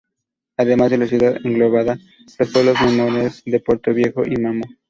Además la ciudad engloba los pueblos menores de Puerto Viejo y Mamo.